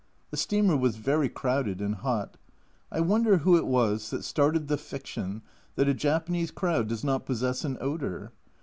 The steamer was very crowded and hot I wonder who it was that started the fiction that a Japanese crowd does not possess an odour?